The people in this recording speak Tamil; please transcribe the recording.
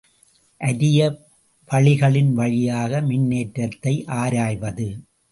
அரிய வளிகளின் வழியாக மின்னேற்றத்தை ஆராய்வது.